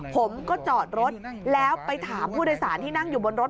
ผมก็จอดรถแล้วไปถามผู้โดยสารที่นั่งอยู่บนรถ